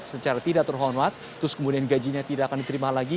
secara tidak terhormat terus kemudian gajinya tidak akan diterima lagi